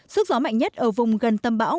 sức gió mạnh nhất ở vùng gần tâm bão